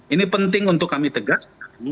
ini penting untuk kami tegaskan